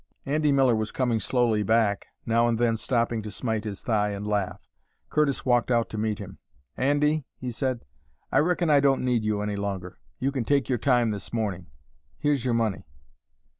Andy Miller was coming slowly back, now and then stopping to smite his thigh and laugh. Curtis walked out to meet him. "Andy," he said, "I reckon I don't need you any longer. You can take your time this morning. Here's your money."